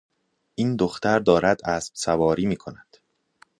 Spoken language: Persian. این دختر دارد اسب سواری می کند.